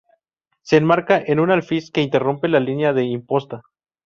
Se enmarca en un alfiz que interrumpe la línea de imposta.